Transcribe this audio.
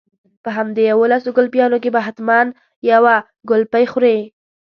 په همدې يوولسو ګلپيانو کې به حتما يوه ګلپۍ خورې.